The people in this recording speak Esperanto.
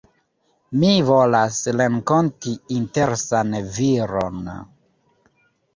Mi volas renkonti interesan viron.